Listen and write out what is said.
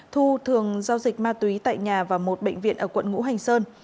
thu thường giao dịch ma túy tại nhà và một bệnh viện ở quận ngũ hành sơn